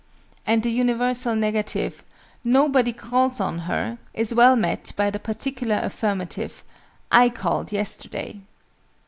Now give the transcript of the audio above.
And the universal negative "nobody calls on her" is well met by the particular affirmative "I called yesterday."